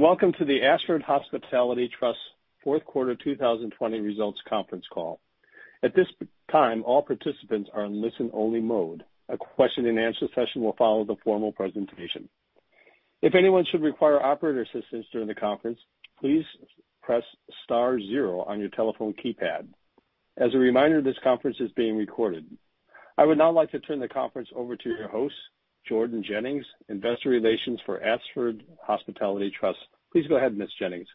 Welcome to the Ashford Hospitality Trust Fourth Quarter 2020 Results Conference Call. At this time, all participants are in listen-only mode. A question and answer session will follow the formal presentation. If anyone should require operator assistance during the conference, please press star zero on your telephone keypad. As a reminder, this conference is being recorded. I would now like to turn the conference over to your host, Jordan Jennings, Investor Relations for Ashford Hospitality Trust. Please go ahead, Ms. Jennings.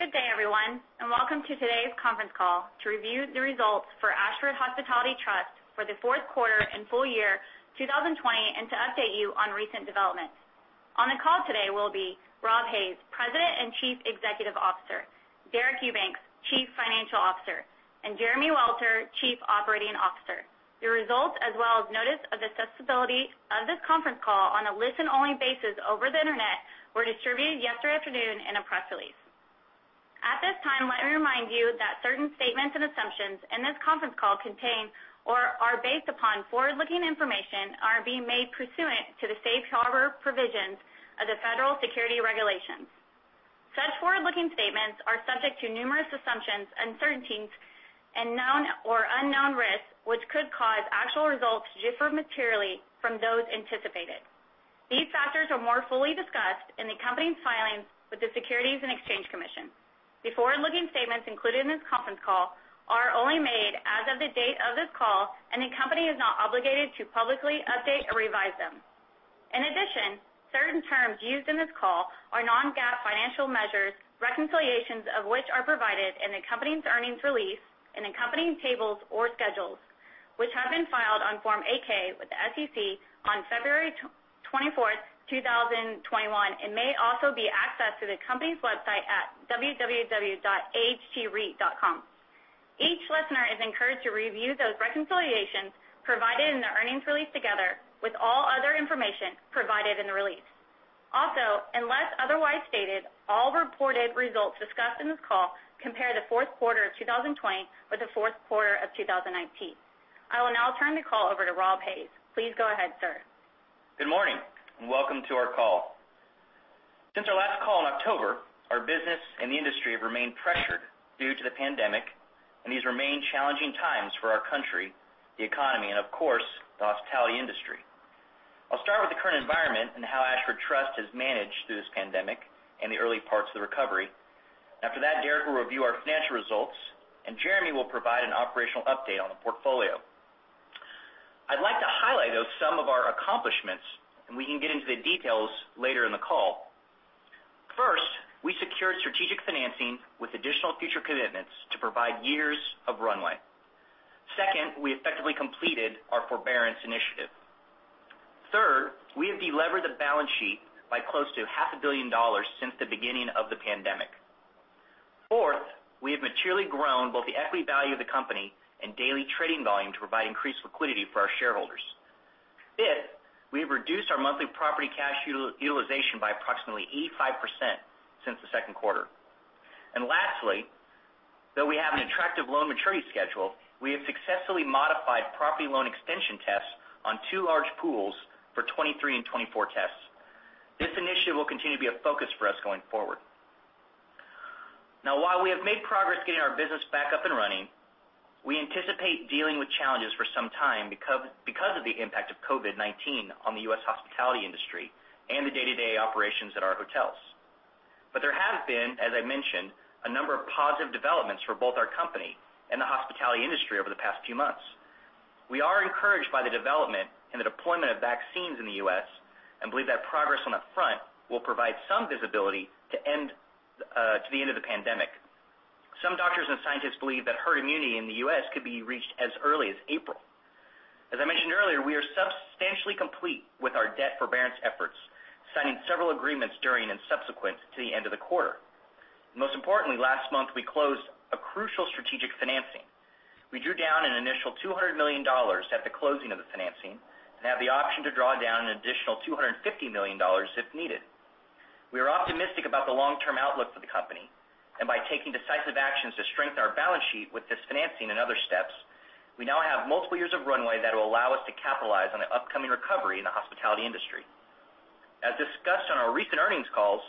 Good day, everyone, and welcome to today's conference call to review the results for Ashford Hospitality Trust for the fourth quarter and full year 2020, and to update you on recent developments. On the call today will be Rob Hays, President and Chief Executive Officer, Deric Eubanks, Chief Financial Officer, and Jeremy Welter, Chief Operating Officer. The results, as well as notice of accessibility of this conference call on a listen-only basis over the Internet, were distributed yesterday afternoon in a press release. At this time, let me remind you that certain statements and assumptions in this conference call contain or are based upon forward-looking information are being made pursuant to the safe harbor provisions of the Federal Securities Regulations. Such forward-looking statements are subject to numerous assumptions, uncertainties, and known or unknown risks, which could cause actual results to differ materially from those anticipated. These factors are more fully discussed in the accompanying filings with the Securities and Exchange Commission. The forward-looking statements included in this conference call are only made as of the date of this call, and the company is not obligated to publicly update or revise them. In addition, certain terms used in this call are non-GAAP financial measures, reconciliations of which are provided in the accompanying earnings release, in accompanying tables or schedules, which have been filed on Form 8-K with the SEC on February 24, 2021, and may also be accessed through the company's website at www.ahtreit.com. Each listener is encouraged to review those reconciliations provided in the earnings release together with all other information provided in the release. Also, unless otherwise stated, all reported results discussed in this call compare the fourth quarter of 2020 with the fourth quarter of 2019. I will now turn the call over to Rob Hays. Please go ahead, Sir. Good morning and welcome to our call. Since our last call in October, our business and the industry have remained pressured due to the pandemic, and these remain challenging times for our country, the economy, and of course, the hospitality industry. I'll start with the current environment and how Ashford Trust has managed through this pandemic and the early parts of the recovery. After that, Deric will review our financial results, and Jeremy will provide an operational update on the portfolio. I'd like to highlight some of our accomplishments, and we can get into the details later in the call. First, we secured strategic financing with additional future commitments to provide years of runway. Second, we effectively completed our forbearance initiative. Third, we have de-levered the balance sheet by close to $0.5 billion since the beginning of the pandemic. We have materially grown both the equity value of the company and daily trading volume to provide increased liquidity for our shareholders. We have reduced our monthly property cash utilization by approximately 85% since the second quarter. Lastly, though we have an attractive loan maturity schedule, we have successfully modified property loan extension tests on two large pools for 2023 and 2024 tests. This initiative will continue to be a focus for us going forward. While we have made progress getting our business back up and running, we anticipate dealing with challenges for some time because of the impact of COVID-19 on the U.S. hospitality industry and the day-to-day operations at our hotels. There have been, as I mentioned, a number of positive developments for both our company and the hospitality industry over the past few months. We are encouraged by the development and the deployment of vaccines in the U.S., and believe that progress on that front will provide some visibility to the end of the pandemic. Some doctors and scientists believe that herd immunity in the U.S. could be reached as early as April. As I mentioned earlier, we are substantially complete with our debt forbearance efforts, signing several agreements during and subsequent to the end of the quarter. Most importantly, last month, we closed a crucial strategic financing. We drew down an initial $200 million at the closing of the financing and have the option to draw down an additional $250 million if needed. We are optimistic about the long-term outlook for the company, and by taking decisive actions to strengthen our balance sheet with this financing and other steps, we now have multiple years of runway that will allow us to capitalize on the upcoming recovery in the hospitality industry. As discussed on our recent earnings calls,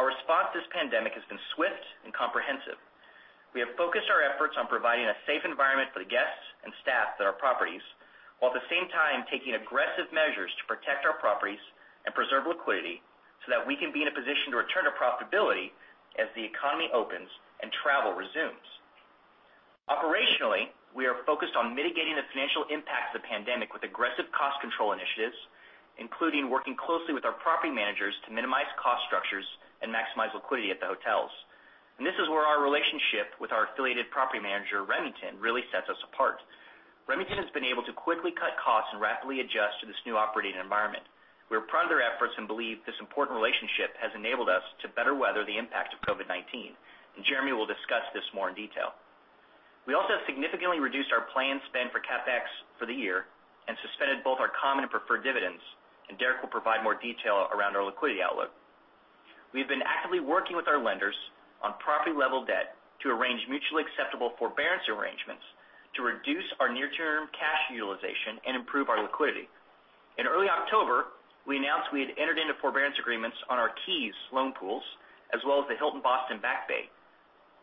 our response to this pandemic has been swift and comprehensive. We have focused our efforts on providing a safe environment for the guests and staff at our properties, while at the same time taking aggressive measures to protect our properties and preserve liquidity so that we can be in a position to return to profitability as the economy opens and travel resumes. Operationally, we are focused on mitigating the financial impact of the pandemic with aggressive cost control initiatives, including working closely with our property managers to minimize cost structures and maximize liquidity at the hotels. This is where our relationship with our affiliated property manager, Remington, really sets us apart. Remington has been able to quickly cut costs and rapidly adjust to this new operating environment. We are proud of their efforts and believe this important relationship has enabled us to better weather the impact of COVID-19, and Jeremy will discuss this more in detail. We also have significantly reduced our planned spend for CapEx for the year and suspended both our common and preferred dividends, and Deric will provide more detail around our liquidity outlook. We have been actively working with our lenders on property-level debt to arrange mutually acceptable forbearance arrangements to reduce our near-term cash utilization and improve our liquidity. In early October, we announced we had entered into forbearance agreements on our KEYS Loan Pool, as well as the Hilton Boston Back Bay,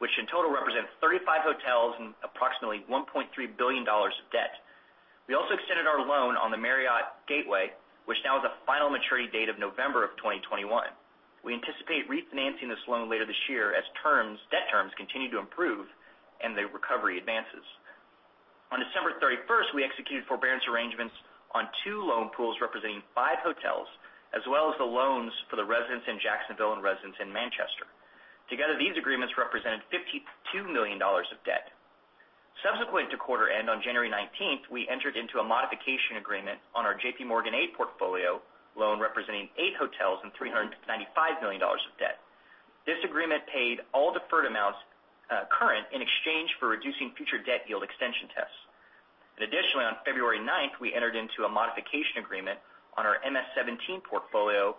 which in total represent 35 hotels and approximately $1.3 billion of debt. We also extended our loan on the Marriott Gateway, which now has a final maturity date of November of 2021. We anticipate refinancing this loan later this year as debt terms continue to improve and the recovery advances. On December 31st, we executed forbearance arrangements on two loan pools representing five hotels, as well as the loans for the Residence Inn Jacksonville and Residence Inn Manchester. Together, these agreements represented $52 million of debt. Subsequent to quarter end on January 19th, we entered into a modification agreement on our JPMorgan eight portfolio loan representing eight hotels and $395 million of debt. This agreement paid all deferred amounts current in exchange for reducing future debt yield extension tests. Additionally, on February 9th, we entered into a modification agreement on our MS17 portfolio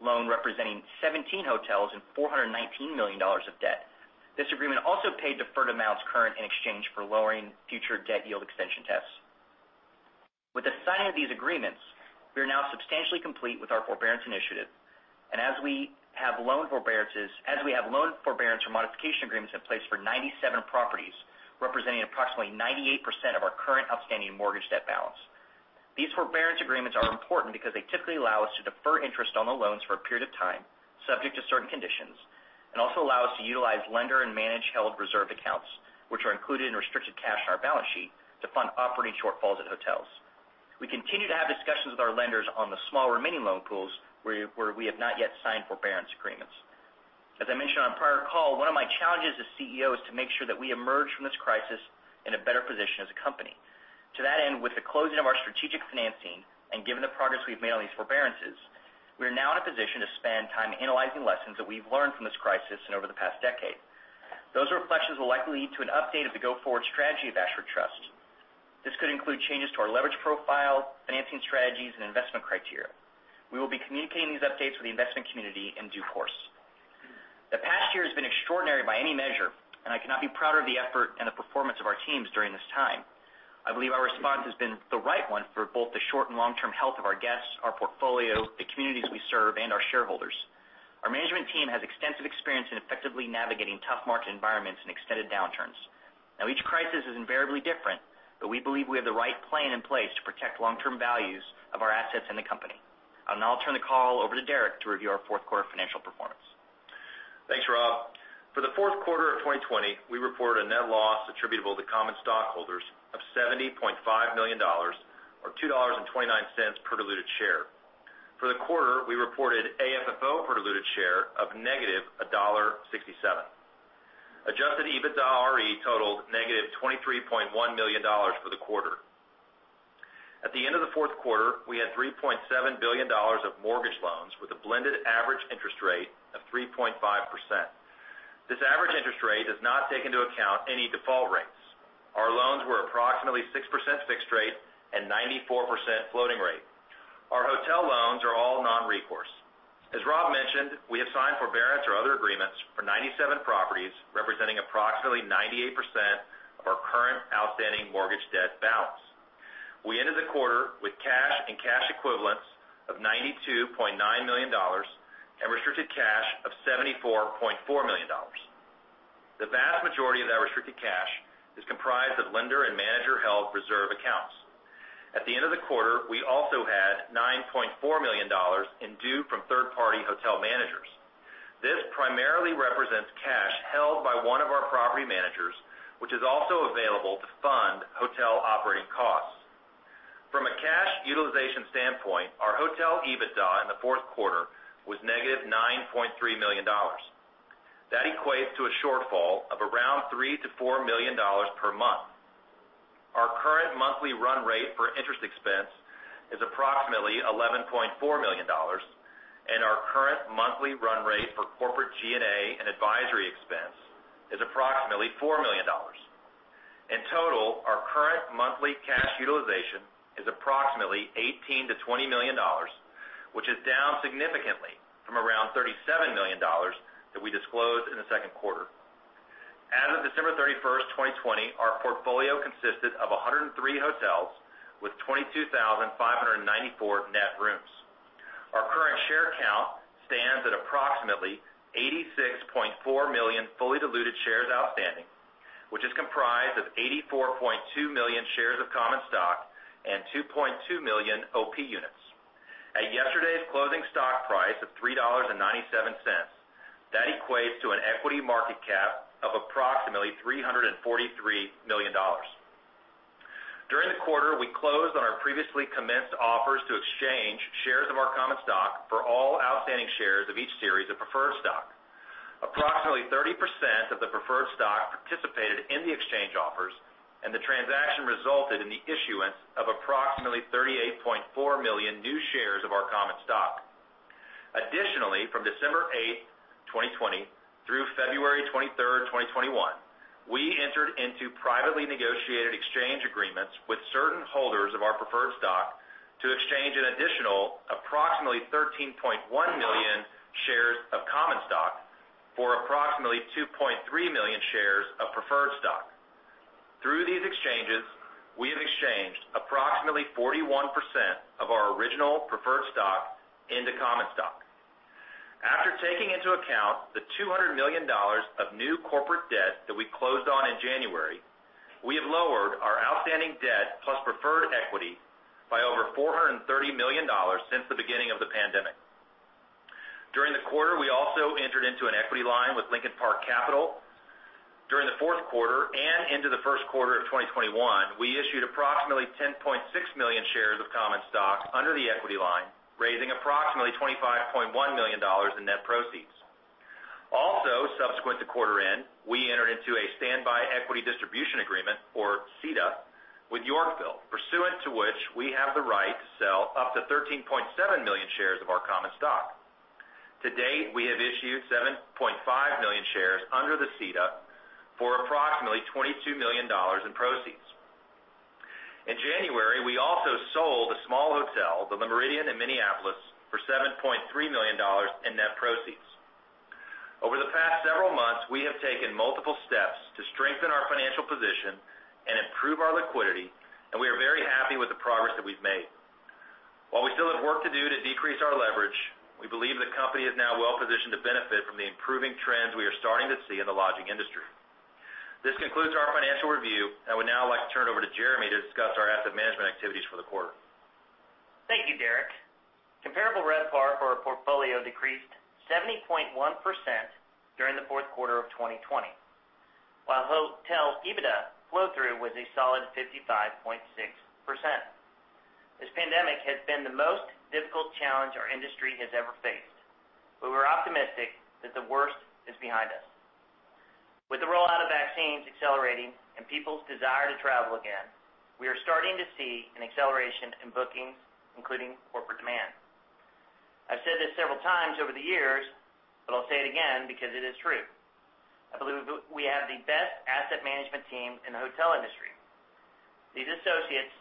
loan representing 17 hotels and $419 million of debt. This agreement also paid deferred amounts current in exchange for lowering future debt yield extension tests. With the signing of these agreements, we are now substantially complete with our forbearance initiative, as we have loan forbearance or modification agreements in place for 97 properties, representing approximately 98% of our current outstanding mortgage debt balance. These forbearance agreements are important because they typically allow us to defer interest on the loans for a period of time, subject to certain conditions, also allow us to utilize lender and manager-held reserve accounts, which are included in restricted cash in our balance sheet to fund operating shortfalls at hotels. We continue to have discussions with our lenders on the small remaining loan pools, where we have not yet signed forbearance agreements. As I mentioned on a prior call, one of my challenges as CEO is to make sure that we emerge from this crisis in a better position as a company. To that end, with the closing of our strategic financing and given the progress we've made on these forbearances, we are now in a position to spend time analyzing lessons that we've learned from this crisis and over the past decade. Those reflections will likely lead to an update of the go-forward strategy of Ashford Trust. This could include changes to our leverage profile, financing strategies, and investment criteria. We will be communicating these updates with the investment community in due course. The past year has been extraordinary by any measure, and I cannot be prouder of the effort and the performance of our teams during this time. I believe our response has been the right one for both the short and long-term health of our guests, our portfolio, the communities we serve, and our shareholders. Our management team has extensive experience in effectively navigating tough market environments and extended downturns. Each crisis is invariably different, but we believe we have the right plan in place to protect long-term values of our assets in the company. I'll now turn the call over to Deric to review our fourth quarter financial performance. Thanks, Rob. For the fourth quarter of 2020, we reported a net loss attributable to common stockholders of $70.5 million, or $2.29 per diluted share. For the quarter, we reported AFFO per diluted share of -$1.67. Adjusted EBITDAre totaled -$23.1 million for the quarter. At the end of the fourth quarter, we had $3.7 billion of mortgage loans with a blended average interest rate of 3.5%. This average interest rate does not take into account any default rates. Our loans were approximately 6% fixed rate and 94% floating rate. Our hotel loans are all non-recourse. As Rob mentioned, we have signed forbearance or other agreements for 97 properties, representing approximately 98% of our current outstanding mortgage debt balance. We ended the quarter with cash and cash equivalents of $92.9 million and restricted cash of $74.4 million. The vast majority of that restricted cash is comprised of lender and manager-held reserve accounts. At the end of the quarter, we also had $9.4 million in due from third-party hotel managers. This primarily represents cash held by one of our property managers, which is also available to fund hotel operating costs. From a cash utilization standpoint, our hotel EBITDA in the fourth quarter was -$9.3 million. That equates to a shortfall of around $3 million-$4 million per month. Our current monthly run rate for interest expense is approximately $11.4 million, and our current monthly run rate for corporate G&A and advisory expense is approximately $4 million. In total, our current monthly cash utilization is approximately $18 million-$20 million, which is down significantly from around $37 million that we disclosed in the second quarter. As of December 31st, 2020, our portfolio consisted of 103 hotels with 22,594 net rooms. Our current share count stands at approximately 86.4 million fully diluted shares outstanding, which is comprised of 84.2 million shares of common stock and 2.2 million OP Units. At yesterday's closing stock price of $3.97, that equates to an equity market cap of approximately $343 million. During the quarter, we closed on our previously commenced offers to exchange shares of our common stock for all outstanding shares of each series of preferred stock. Approximately 30% of the preferred stock participated in the exchange offers, and the transaction resulted in the issuance of approximately 38.4 million new shares of our common stock. Additionally, from December 8th, 2020, through February 23rd, 2021, we entered into privately negotiated exchange agreements with certain holders of our preferred stock to exchange an additional approximately 13.1 million shares of common stock for approximately 2.3 million shares of preferred stock. Through these exchanges, we have exchanged approximately 41% of our original preferred stock into common stock. After taking into account the $200 million of new corporate debt that we closed on in January, we have lowered our outstanding debt plus preferred equity by over $430 million since the beginning of the pandemic. During the quarter, we also entered into an equity line with Lincoln Park Capital. During the fourth quarter and into the first quarter of 2021, we issued approximately 10.6 million shares of common stock under the equity line, raising approximately $25.1 million in net proceeds. Also, subsequent to quarter end, we entered into a Standby Equity Distribution Agreement, or SEDA, with Yorkville, pursuant to which we have the right to sell up to 13.7 million shares of our common stock. To date, we have issued 7.5 million shares under the SEDA for approximately $22 million in proceeds. In January, we also sold a small hotel, the Le Méridien in Minneapolis, for $7.3 million in net proceeds. Over the past several months, we have taken multiple steps to strengthen our financial position and improve our liquidity, and we are very happy with the progress that we've made. While we still have work to do to decrease our leverage, we believe the company is now well-positioned to benefit from the improving trends we are starting to see in the lodging industry. This concludes our financial review, and I would now like to turn it over to Jeremy to discuss our asset management activities for the quarter. Thank you, Deric. Comparable RevPAR for our portfolio decreased 70.1% during the fourth quarter of 2020, while hotel EBITDA flow-through was a solid 55.6%. This pandemic has been the most difficult challenge our industry has ever faced, we're optimistic that the worst is behind us. With the rollout of vaccines accelerating and people's desire to travel again, we are starting to see an acceleration in bookings, including corporate demand. I've said this several times over the years, I'll say it again because it is true. I believe we have the best asset management team in the hotel industry. These associates,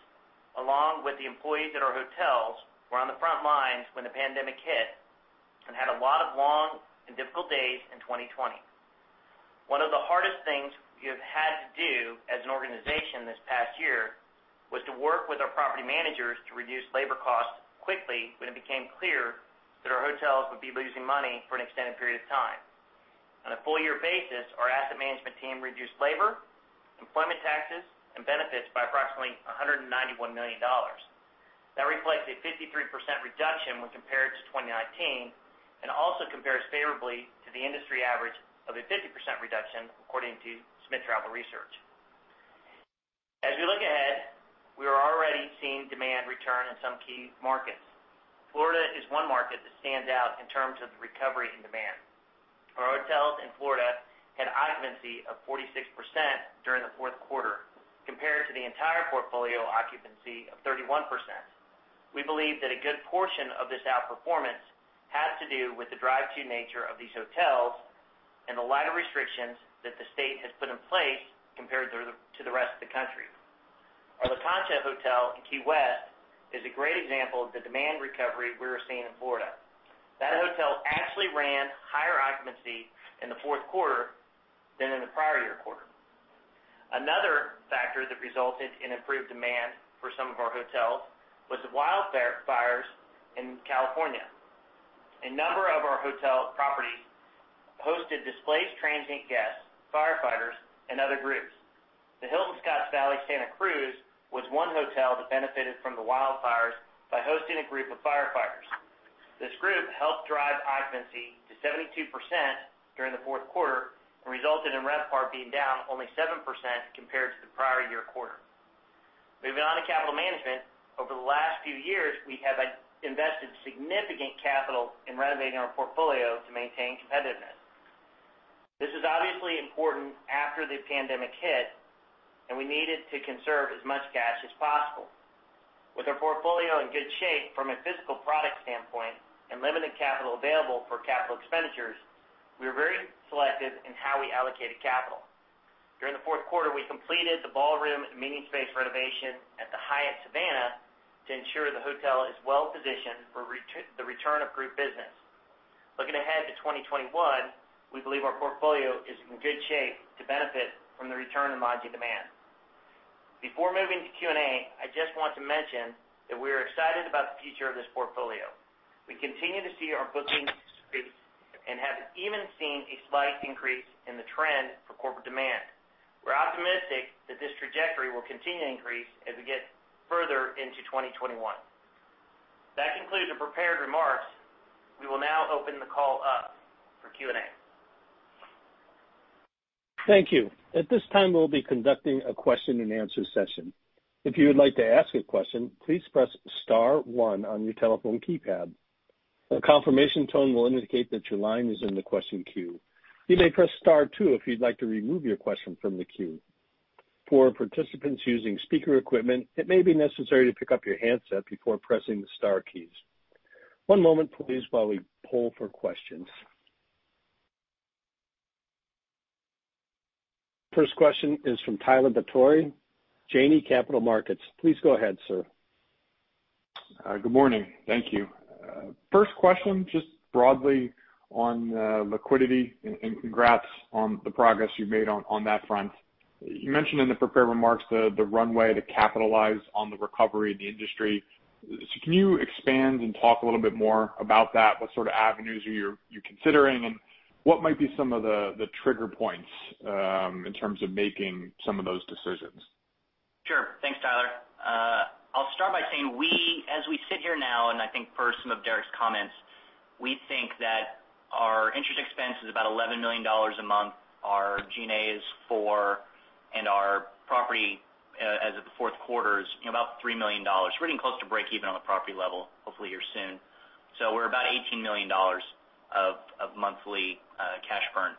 along with the employees at our hotels, were on the front lines when the pandemic hit and had a lot of long and difficult days in 2020. One of the hardest things we have had to do as an organization this past year was to work with our property managers to reduce labor costs quickly when it became clear that our hotels would be losing money for an extended period of time. On a full year basis, our asset management team reduced labor, employment taxes, and benefits by approximately $191 million. That reflects a 53% reduction when compared to 2019, and also compares favorably to the industry average of a 50% reduction, according to Smith Travel Research. We look ahead, we are already seeing demand return in some key markets. Florida is one market that stands out in terms of the recovery in demand. Our hotels in Florida had occupancy of 46% during the fourth quarter, compared to the entire portfolio occupancy of 31%. We believe that a good portion of this outperformance has to do with the drive-to nature of these hotels and the lighter restrictions that the state has put in place compared to the rest of the country. Our La Concha hotel in Key West is a great example of the demand recovery we are seeing in Florida. That hotel actually ran higher occupancy in the fourth quarter than in the prior year quarter. Another factor that resulted in improved demand for some of our hotels was the wildfires in California. A number of our hotel properties hosted displaced transient guests, firefighters, and other groups. The Hilton Scotts Valley/Santa Cruz was one hotel that benefited from the wildfires by hosting a group of firefighters. This group helped drive occupancy to 72% during the fourth quarter and resulted in RevPAR being down only 7% compared to the prior year quarter. Moving on to capital management, over the last few years, we have invested significant capital in renovating our portfolio to maintain competitiveness. This is obviously important after the pandemic hit, and we needed to conserve as much cash as possible. With our portfolio in good shape from a physical product standpoint and limited capital available for capital expenditures, we were very selective in how we allocated capital. During the fourth quarter, we completed the ballroom and meeting space renovation at the Hyatt Savannah to ensure the hotel is well-positioned for the return of group business. Looking ahead to 2021, we believe our portfolio is in good shape to benefit from the return of [modular demand. Before moving to Q&A, I just want to mention that we are excited about the future of this portfolio. We continue to see our bookings increase and have even seen a slight increase in the trend for corporate demand. We're optimistic that this trajectory will continue to increase as we get further into 2021. That concludes the prepared remarks. We will now open the call up for Q&A. Thank you. At this time, we'll be conducting a question-and-answer session. If you would like to ask a question, please press star one on your telephone keypad. A confirmation tone will indicate that your line is in the question queue. You may press star two if you'd like to remove your question from the queue. For participants using speaker equipment, it may be necessary to pick up your handset before pressing the star keys. One moment please while we poll for questions. First question is from Tyler Batory, Janney Montgomery Scott. Please go ahead, Sir. Good morning. Thank you. First question, just broadly on liquidity, congrats on the progress you've made on that front. You mentioned in the prepared remarks the runway to capitalize on the recovery in the industry. Can you expand and talk a little bit more about that? What sort of avenues are you considering, and what might be some of the trigger points, in terms of making some of those decisions? Sure. Thanks, Tyler. I'll start by saying as we sit here now, and I think per some of Deric's comments, we think that our interest expense is about $11 million a month. Our G&A for, and our property, as of the fourth quarter is about $3 million. We're getting close to breakeven on the property level, hopefully here soon. We're about $18 million of monthly cash burn.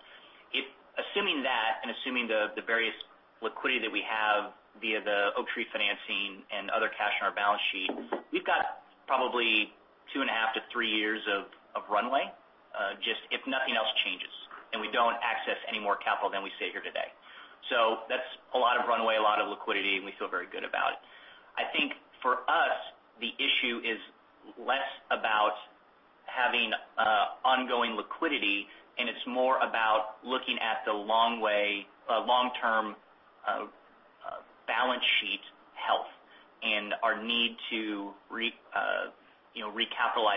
Assuming that, and assuming the various liquidity that we have via the Oaktree financing and other cash on our balance sheet, we've got probably 2.5 to three years of runway, just if nothing else changes and we don't access any more capital than we sit here today. That's a lot of runway, a lot of liquidity, and we feel very good about it. I think for us, the issue is less about having ongoing liquidity, and it is more about looking at the long-term balance sheet health and our need to recapitalize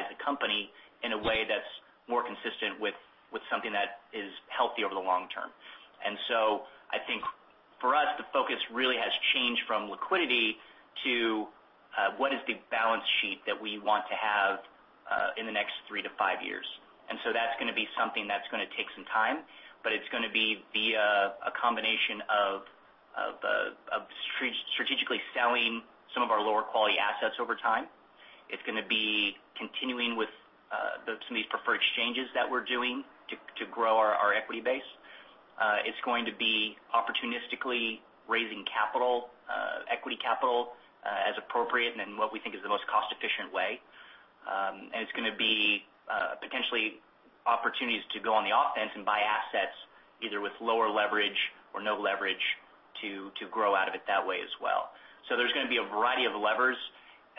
the company in a way that is more consistent with something that is healthy over the long term. I think for us, the focus really has changed from liquidity to what is the balance sheet that we want to have in the next three to five years. That is going to be something that is going to take some time, but it is going to be via a combination of strategically selling some of our lower-quality assets over time. It is going to be continuing with some of these preferred exchanges that we are doing to grow our equity base. It is going to be opportunistically raising equity capital as appropriate, and in what we think is the most cost-efficient way. It's going to be potentially opportunities to go on the offense and buy assets either with lower leverage or no leverage to grow out of it that way as well. There's going to be a variety of levers.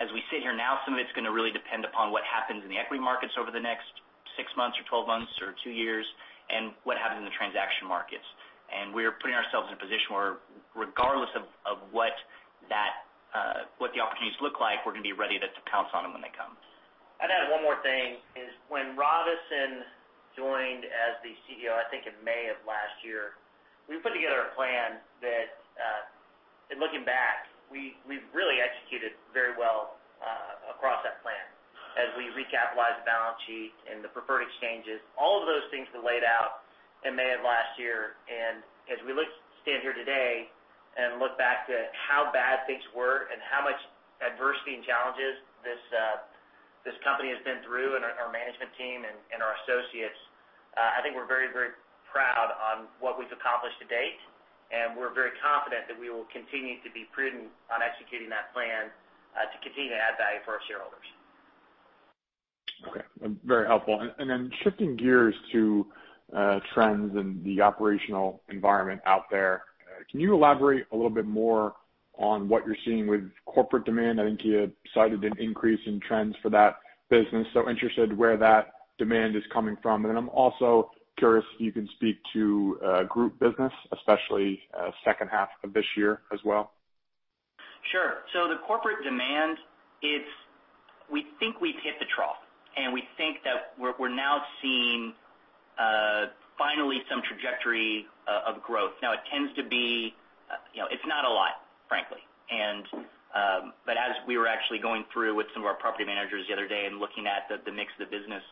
As we sit here now, some of it's going to really depend upon what happens in the equity markets over the next six months or 12 months or two years, and what happens in the transaction markets. We're putting ourselves in a position where regardless of what the opportunities look like, we're going to be ready to pounce on them when they come. I'd add one more thing, is when Robison joined as the CEO, I think in May of last year, we put together a plan that, in looking back, we've really executed very well across that plan as we recapitalize the balance sheet and the preferred exchanges. All of those things were laid out in May of last year, and as we stand here today and look back to how bad things were and how much adversity and challenges this company has been through and our management team and our associates, I think we're very proud on what we've accomplished to date, and we're very confident that we will continue to be prudent on executing that plan to continue to add value for our shareholders. Okay. Very helpful. Shifting gears to trends in the operational environment out there, can you elaborate a little bit more on what you're seeing with corporate demand? I think you had cited an increase in trends for that business, so interested where that demand is coming from. I'm also curious if you can speak to group business, especially second half of this year as well. Sure. The corporate demand, we think we've hit the trough, and we think that we're now seeing finally some trajectory of growth. It's not a lot, frankly. As we were actually going through with some of our property managers the other day and looking at the mix of the business,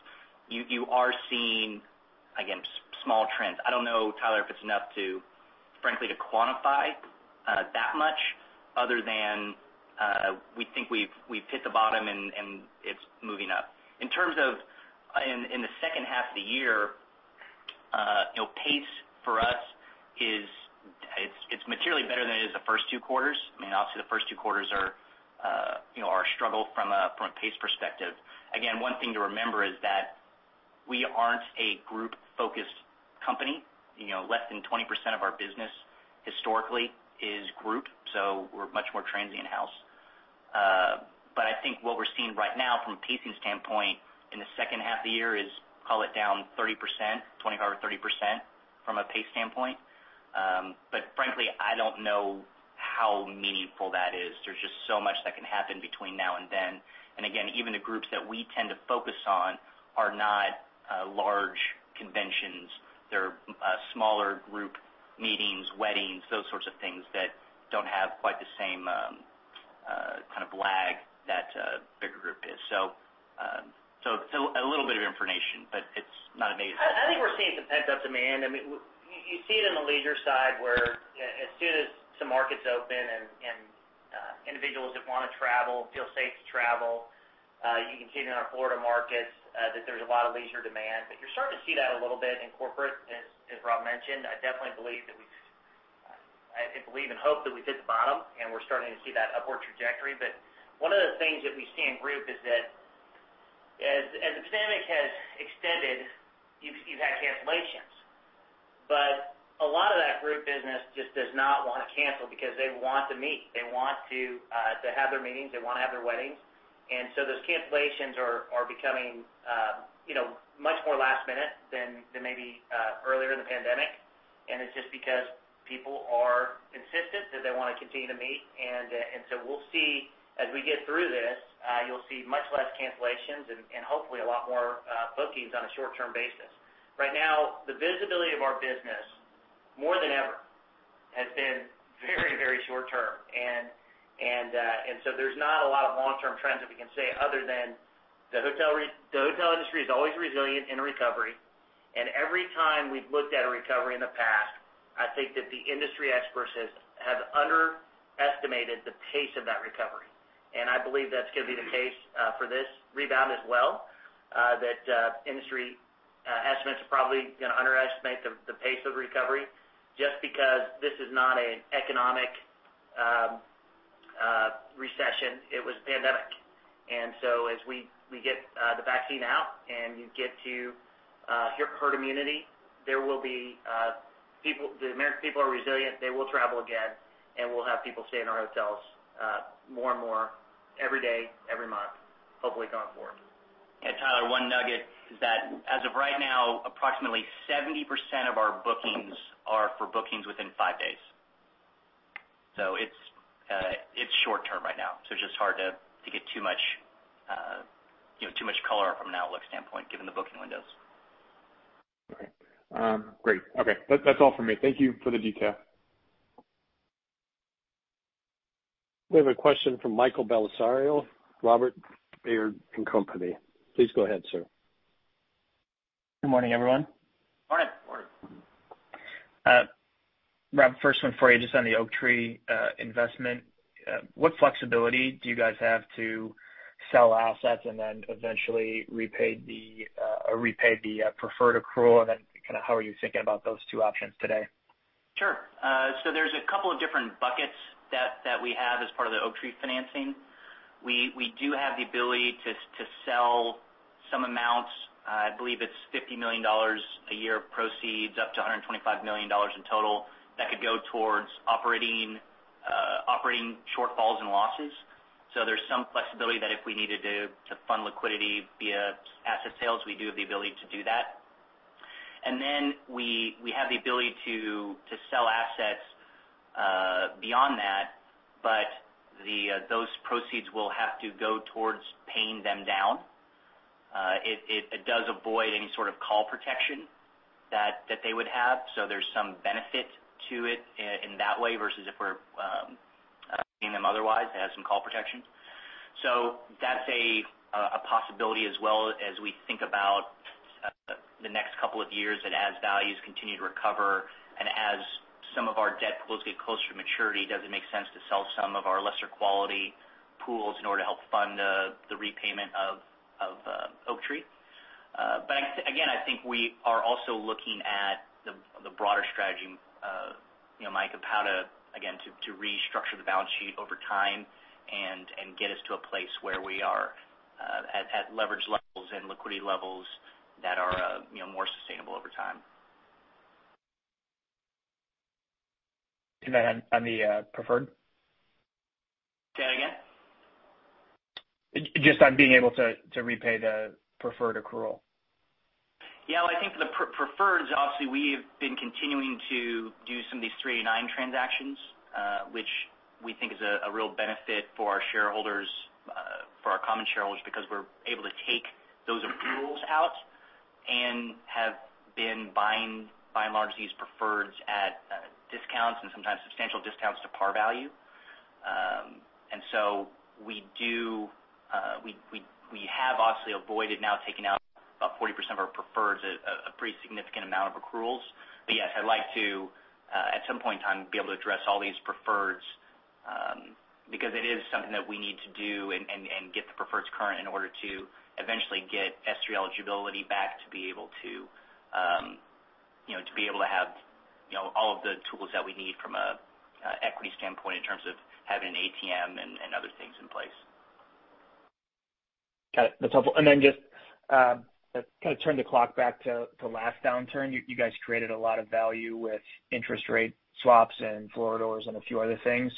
you are seeing, again, small trends. I don't know, Tyler, if it's enough frankly to quantify that much other than we think we've hit the bottom and it's moving up. In terms of in the second half of the year, pace for us is materially better than it is the first two quarters. Obviously the first two quarters are a struggle from a pace perspective. Again, one thing to remember is that we aren't a group-focused company. Less than 20% of our business historically is group, so we're much more transient house. I think what we're seeing right now from a pacing standpoint in the second half of the year is, call it down 30%, 25% or 30% from a pace standpoint. Frankly, I don't know how meaningful that is. There's just so much that can happen between now and then. Again, even the groups that we tend to focus on are not large conventions. They're smaller group meetings, weddings, those sorts of things that don't have quite the same kind of lag that a bigger group is. A little bit of information, but it's not amazing. I think we're seeing some pent-up demand. You see it in the leisure side where as soon as some markets open and individuals that want to travel feel safe to travel. You can see it in our Florida markets that there's a lot of leisure demand. You're starting to see that a little bit in corporate as Rob mentioned. I definitely believe and hope that we've hit the bottom and we're starting to see that upward trajectory. One of the things that we see in group is that as the pandemic has extended, you've had cancellations. A lot of that group business just does not want to cancel because they want to meet, they want to have their meetings, they want to have their weddings. Those cancellations are becoming much more last minute than maybe earlier in the pandemic. It's just because people are insistent that they want to continue to meet. We'll see as we get through this, you'll see much less cancellations and hopefully a lot more bookings on a short-term basis. Right now, the visibility of our business, more than ever, has been very, very short term. There's not a lot of long-term trends that we can say other than the hotel industry is always resilient in a recovery. Every time we've looked at a recovery in the past, I think that the industry experts have underestimated the pace of that recovery. I believe that's going to be the case for this rebound as well, that industry estimates are probably going to underestimate the pace of recovery just because this is not an economic recession, it was a pandemic. As we get the vaccine out and you get to herd immunity, the American people are resilient, they will travel again, and we'll have people stay in our hotels, more and more every day, every month, hopefully going forward. Yeah, Tyler, one nugget is that as of right now, approximately 70% of our bookings are for bookings within five days. It's short-term right now, so it's just hard to get too much color from an outlook standpoint, given the booking windows. Okay. Great. Okay. That's all for me. Thank you for the detail. We have a question from Michael Bellisario, Robert W. Baird & Co. Please go ahead, Sir. Good morning, everyone. Morning. Morning. Rob, first one for you, just on the Oaktree investment. What flexibility do you guys have to sell assets and then eventually repay the preferred accrual, and then how are you thinking about those two options today? Sure. There's a couple of different buckets that we have as part of the Oaktree financing. We do have the ability to sell some amounts. I believe it's $50 million a year of proceeds, up to $125 million in total, that could go towards operating shortfalls and losses. There's some flexibility that if we needed to fund liquidity via asset sales, we do have the ability to do that. Then we have the ability to sell assets beyond that, but those proceeds will have to go towards paying them down. It does avoid any sort of call protection that they would have, so there's some benefit to it in that way, versus if we're paying them otherwise, it has some call protection. That's a possibility as well as we think about the next couple of years and as values continue to recover and as some of our debt pools get closer to maturity, does it make sense to sell some of our lesser quality pools in order to help fund the repayment of Oaktree? Again, I think we are also looking at the broader strategy, Mike, of how to, again, to restructure the balance sheet over time and get us to a place where we are at leverage levels and liquidity levels that are more sustainable over time. On the preferred? Say that again. Just on being able to repay the preferred accrual. I think for the preferreds, obviously, we have been continuing to do some of these 3(a)(9) transactions, which we think is a real benefit for our common shareholders because we're able to take those accruals out and have been buying, by and large, these preferreds at discounts and sometimes substantial discounts to par value. We have obviously avoided now taking out about 40% of our preferreds, a pretty significant amount of accruals. I'd like to, at some point in time, be able to address all these preferreds, because it is something that we need to do and get the preferreds current in order to eventually get S-3 eligibility back to be able to have all of the tools that we need from an equity standpoint in terms of having an ATM and other things in place. Got it. That's helpful. Just kind of turn the clock back to last downturn. You guys created a lot of value with interest rate swaps and floors and a few other things.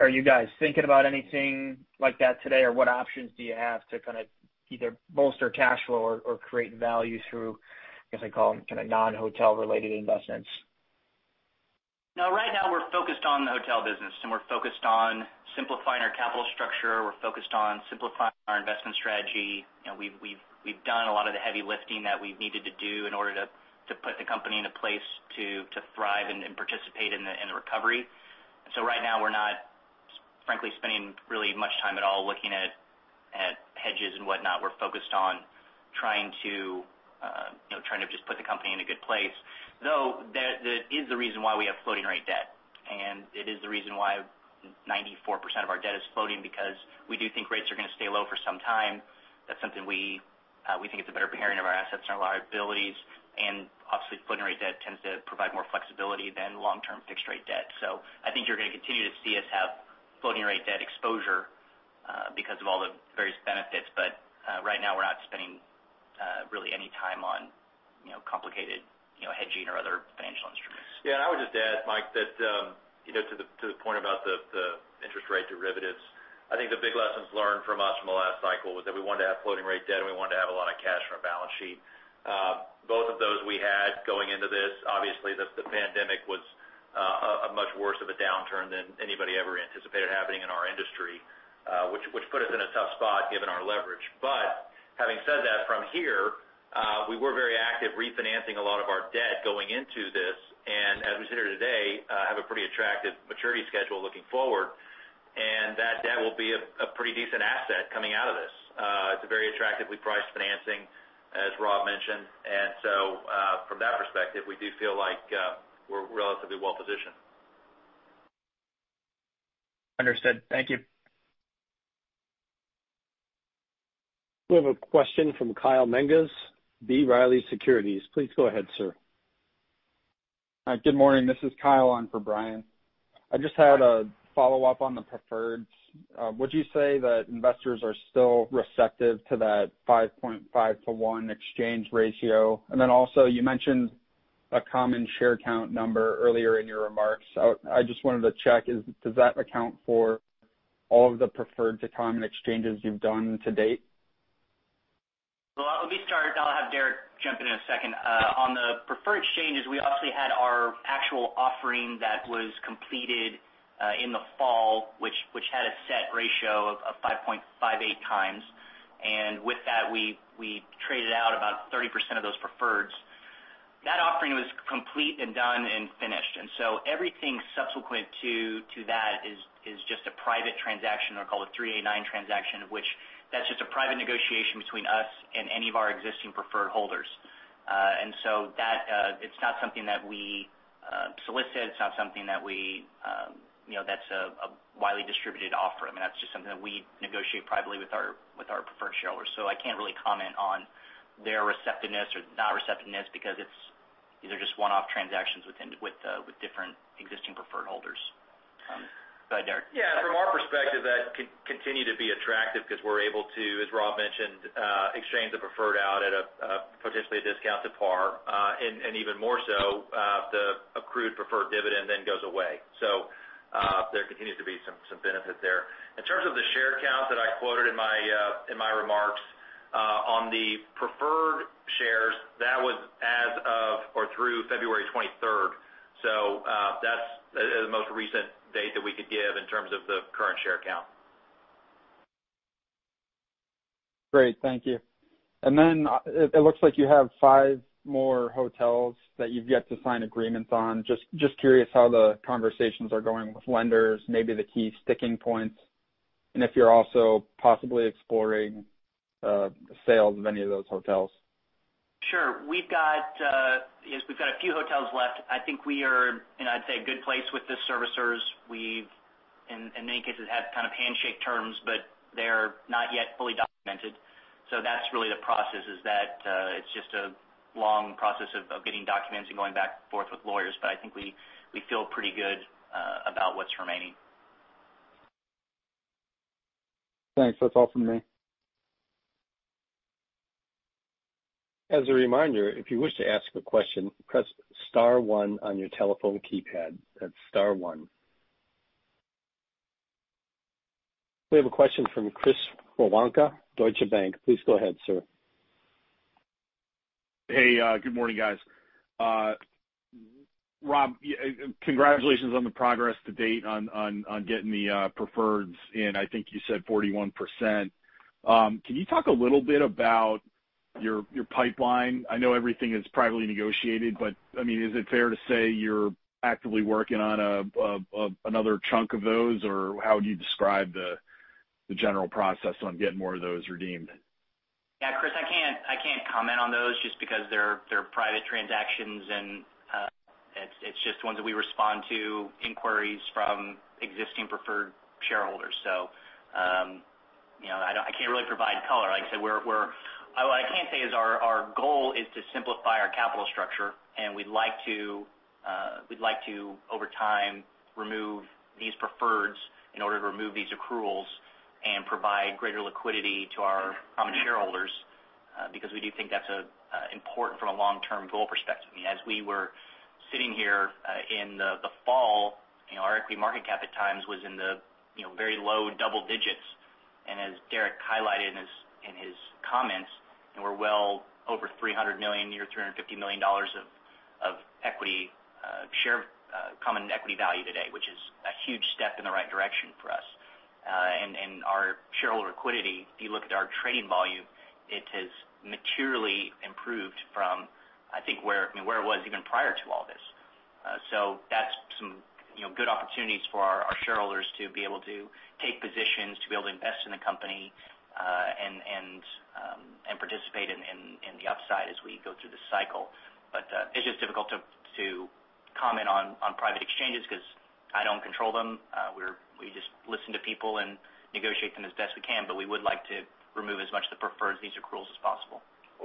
Are you guys thinking about anything like that today, or what options do you have to kind of either bolster cash flow or create value through, I guess I'd call them, kind of non-hotel related investments? No, right now we're focused on the hotel business, and we're focused on simplifying our capital structure. We're focused on simplifying our investment strategy. We've done a lot of the heavy lifting that we've needed to do in order to put the company into place to thrive and participate in the recovery. Right now, we're not frankly spending really much time at all looking at hedges and whatnot. We're focused on trying to just put the company in a good place, though that is the reason why we have floating rate debt, and it is the reason why 94% of our debt is floating because we do think rates are going to stay low for some time. That's something we think is a benefit to us, and obviously floating rate debt tends to provide more flexibility than long-term fixed rate debt. I think you're going to continue to see us have floating rate debt exposure because of all the various benefits. Right now, we're not spending really any time on complicated hedging or other financial instruments. Yeah, I would just add, Mike, that to the point about the interest rate derivatives, I think the big lessons learned from us from the last cycle was that we wanted to have floating rate debt, and we wanted to have a lot of cash on our balance sheet. Both of those we had going into this. Obviously, the pandemic was a much worse of a downturn than anybody ever anticipated happening in our industry, which put us in a tough spot given our leverage. Having said that, from here, we were very active refinancing a lot of our debt going into this, and as we sit here today, have a pretty attractive maturity schedule looking forward, and that debt will be a pretty decent asset coming out of this. It's a very attractively priced financing, as Rob mentioned. From that perspective, we do feel like we're relatively well-positioned. Understood. Thank you. We have a question from Kyle Menges, B. Riley Securities. Please go ahead, Sir. Hi. Good morning. This is Kyle in for Brian. I just had a follow-up on the preferreds. Would you say that investors are still receptive to that 5.5:1 exchange ratio? Also, you mentioned a common share count number earlier in your remarks. I just wanted to check, does that account for all of the preferred to common exchanges you've done to date? Well, let me start, and I'll have Deric jump in in a second. On the preferred exchanges, we obviously had our actual offering that was completed in the fall, which had a set ratio of 5.58x. With that, we traded out about 30% of those preferreds. That offering was complete and done and finished. Everything subsequent to that is just a private transaction, or called a 3(a)(9) transaction, which that's just a private negotiation between us and any of our existing preferred holders. It's not something that we solicit. It's not something that's a widely distributed offer. That's just something that we negotiate privately with our preferred shareholders. I can't really comment on their receptiveness or not receptiveness because these are just one-off transactions with different existing preferred holders. Go ahead, Deric. Yeah. From our perspective, that continued to be attractive because we're able to, as Rob mentioned, exchange the preferred out at potentially a discount to par. Even more so, the accrued preferred dividend goes away. There continues to be some benefit there. In terms of the share count that I quoted in my remarks, on the preferred shares, that was as of or through February 23rd. That's the most recent date that we could give in terms of the current share count. Great. Thank you. It looks like you have five more hotels that you've yet to sign agreements on. Just curious how the conversations are going with lenders, maybe the key sticking points, and if you're also possibly exploring sales of any of those hotels. Sure. We've got a few hotels left. I think we are in, I'd say, a good place with the servicers. We've, in many cases, had kind of handshake terms, but they're not yet fully documented. That's really the process is that it's just a long process of getting documents and going back and forth with lawyers. I think we feel pretty good about what's remaining. Thanks. That's all from me. As a reminder, if you wish to ask a question, press star one on your telephone keypad. That's star one. We have a question from Chris Woronka, Deutsche Bank. Please go ahead, Sir. Hey, good morning, guys. Rob, congratulations on the progress to date on getting the preferreds in, I think you said 41%. Can you talk a little bit about your pipeline? I know everything is privately negotiated, but is it fair to say you're actively working on another chunk of those, or how would you describe the general process on getting more of those redeemed? Yeah, Chris, I can't comment on those just because they're private transactions, and it's just ones that we respond to inquiries from existing preferred shareholders. I can't really provide color. What I can say is our goal is to simplify our capital structure, and we'd like to, over time, remove these preferreds in order to remove these accruals and provide greater liquidity to our common shareholders because we do think that's important from a long-term goal perspective. As we were sitting here in the fall, our equity market cap at times was in the very low double digits. As Deric highlighted in his comments, we're well over $300 million, near $350 million of common equity value today, which is a huge step in the right direction for us. Our shareholder liquidity, if you look at our trading volume, it has materially improved from, I think, where it was even prior to all this. That's some good opportunities for our shareholders to be able to take positions, to be able to invest in the company, and participate in the upside as we go through this cycle. It's just difficult to comment on private exchanges because I don't control them. We just listen to people and negotiate them as best we can, but we would like to remove as much of the preferred as these accruals as possible.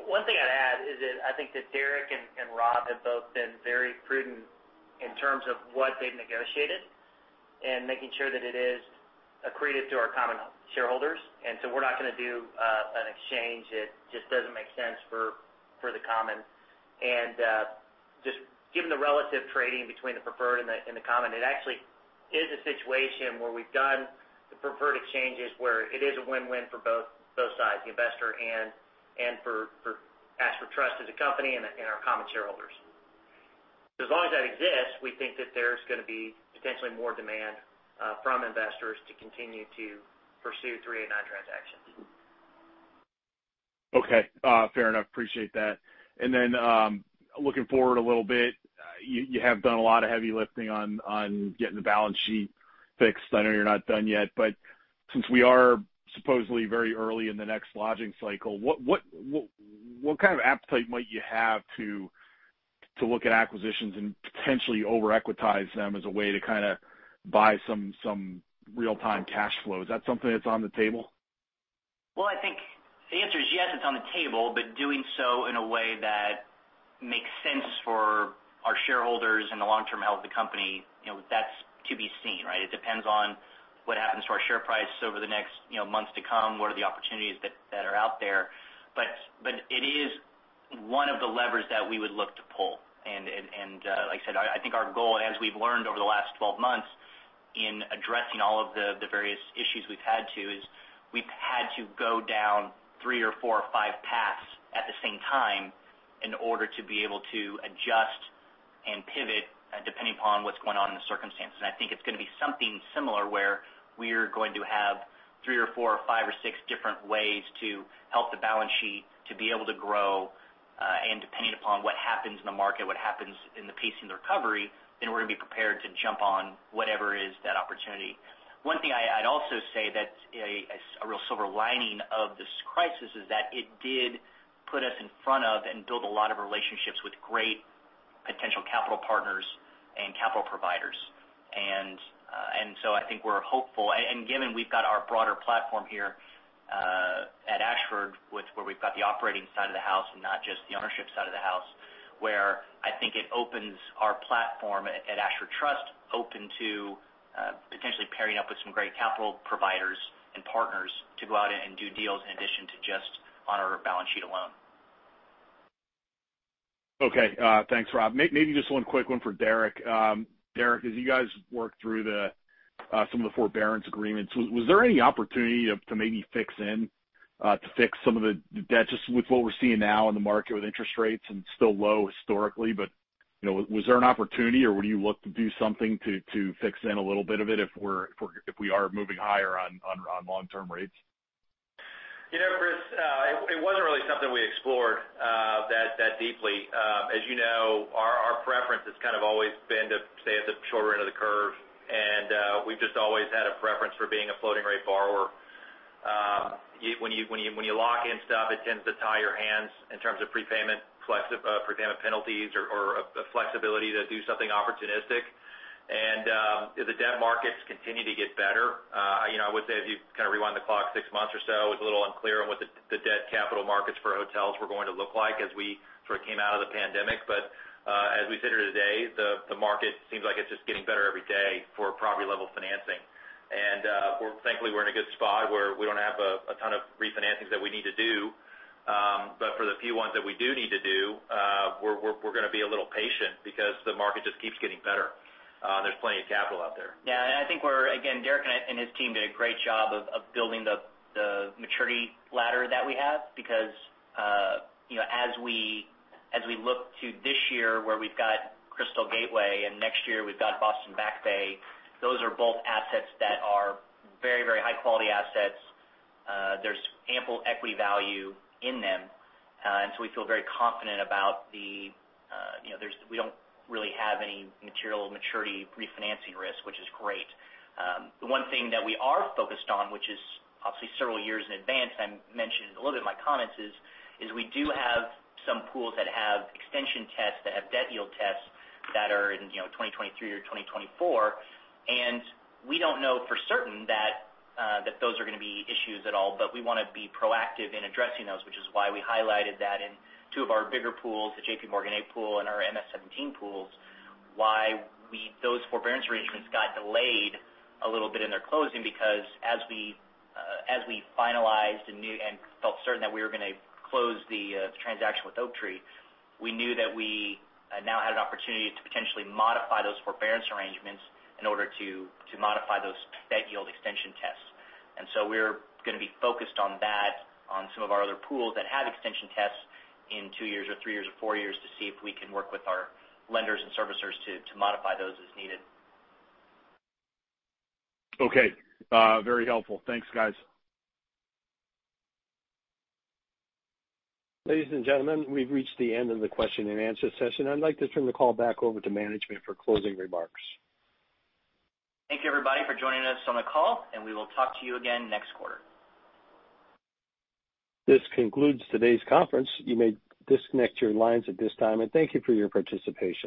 One thing I'd add is that I think that Deric and Rob have both been very prudent in terms of what they've negotiated and making sure that it is accretive to our common shareholders. We're not going to do an exchange that just doesn't make sense for the common. Just given the relative trading between the preferred and the common, it actually is a situation where we've done the preferred exchanges, where it is a win-win for both sides, the investor and for Ashford Hospitality Trust as a company and our common shareholders. As long as that exists, we think that there's going to be potentially more demand from investors to continue to pursue 3(a)(9) transactions. Okay. Fair enough. Appreciate that. Looking forward a little bit, you have done a lot of heavy lifting on getting the balance sheet fixed. I know you're not done yet, but since we are supposedly very early in the next lodging cycle, what kind of appetite might you have to look at acquisitions and potentially over-equitize them as a way to kind of buy some real-time cash flow? Is that something that's on the table? Well, I think the answer is yes, it's on the table. Doing so in a way that makes sense for our shareholders and the long-term health of the company, that's to be seen, right? It depends on what happens to our share price over the next months to come. What are the opportunities that are out there? It is one of the levers that we would look to pull, and like I said, I think our goal, as we've learned over the last 12 months in addressing all of the various issues we've had to, is we've had to go down three or four or five paths at the same time in order to be able to adjust and pivot depending upon what's going on in the circumstance. I think it's going to be something similar where we're going to have three or four or five or six different ways to help the balance sheet to be able to grow. Depending upon what happens in the market, what happens in the pace in the recovery, then we're going to be prepared to jump on whatever is that opportunity. One thing I'd also say that's a real silver lining of this crisis is that it did put us in front of and build a lot of relationships with great potential capital partners and capital providers. I think we're hopeful. Given we've got our broader platform here at Ashford, where we've got the operating side of the house and not just the ownership side of the house, where I think it opens our platform at Ashford Trust open to potentially pairing up with some great capital providers and partners to go out and do deals in addition to just on our balance sheet alone. Okay. Thanks, Rob. Maybe just one quick one for Deric. Deric, as you guys worked through some of the forbearance agreements, was there any opportunity to maybe fix some of the debt, just with what we're seeing now in the market with interest rates and still low historically, but was there an opportunity or would you look to do something to fix in a little bit of it if we are moving higher on long-term rates? Chris, it wasn't really something we explored that deeply. As you know, our preference has kind of always been to stay at the shorter end of the curve, and we've just always had a preference for being a floating rate borrower. When you lock in stuff, it tends to tie your hands in terms of prepayment penalties or the flexibility to do something opportunistic. The debt markets continue to get better. I would say if you kind of rewind the clock six months or so, it was a little unclear on what the debt capital markets for hotels were going to look like as we sort of came out of the pandemic. As we sit here today, the market seems like it's just getting better every day for property-level financing. Thankfully, we're in a good spot where we don't have a ton of refinancings that we need to do. For the few ones that we do need to do, we're going to be a little patient because the market just keeps getting better. There's plenty of capital out there. Yeah, I think we're-- again, Deric and his team did a great job of building the maturity ladder that we have because as we look to this year where we've got Crystal Gateway and next year we've got Boston Back Bay, those are both assets that are very high-quality assets. There's ample equity value in them, and so we feel very confident about the-- we don't really have any material maturity refinancing risk, which is great. The one thing that we are focused on, which is obviously several years in advance, and I mentioned it a little bit in my comments, is we do have some pools that have extension tests, that have debt yield tests that are in 2023 or 2024. We don't know for certain that those are going to be issues at all, but we want to be proactive in addressing those, which is why we highlighted that in two of our bigger pools, the JPMorgan 8 pool and our MS17 pools. Why those forbearance arrangements got delayed a little bit in their closing because as we finalized and felt certain that we were going to close the transaction with Oaktree, we knew that we now had an opportunity to potentially modify those forbearance arrangements in order to modify those debt yield extension tests. We're going to be focused on that on some of our other pools that have extension tests in two years or three years or four years to see if we can work with our lenders and servicers to modify those as needed. Okay. Very helpful. Thanks, guys. Ladies and gentlemen, we've reached the end of the question and answer session. I'd like to turn the call back over to management for closing remarks. Thank you, everybody, for joining us on the call. We will talk to you again next quarter. This concludes today's conference. You may disconnect your lines at this time, and thank you for your participation.